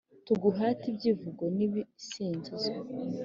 Tuguhate ibyivugo n’ibisingizo